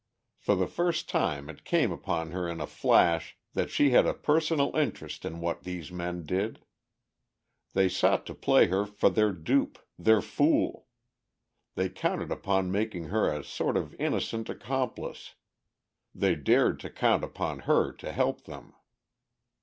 For the first time it came upon her in a flash that she had a personal interest in what these men did. They sought to play her for their dupe, their fool; they counted upon making her a sort of innocent accomplice, they dared to count upon her to help them.